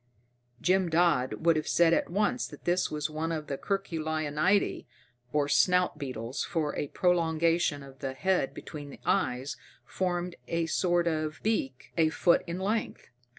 Jim Dodd would have said at once that this was one of the Curculionidae, or snout beetles, for a prolongation of the head between the eyes formed a sort of beak a foot in length.